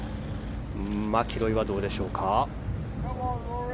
マキロイはどうでしょうか。